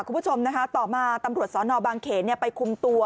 คุณผู้ชมนะคะต่อมาตำรวจสอนอบางเขนไปคุมตัว